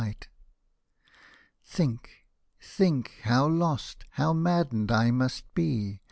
Think, think how lost, how maddened I must be.